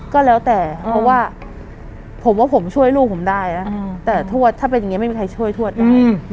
ก็แล้วแต่เพราะว่าผมว่าผมช่วยลูกผมได้นะแต่ทวดถ้าเป็นอย่างนี้ไม่มีใครช่วยทวดได้